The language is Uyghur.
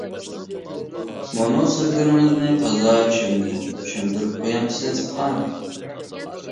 مۇنۇ سۆزلىرىڭىزنى تازا چۈشەنمىدىم، چۈشەندۈرۈپ قۇيامسىز خان.